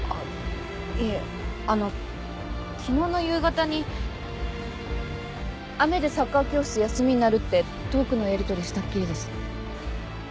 いえあの昨日の夕方に「雨でサッカー教室休みになる」ってトークのやりとりしたっきりです。